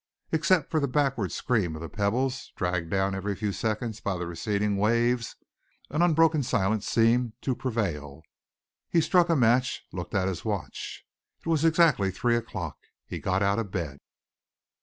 Except for the backward scream of the pebbles, dragged down every few seconds by the receding waves, an unbroken silence seemed to prevail. He struck a match and looked at his watch. It was exactly three o'clock. He got out of bed.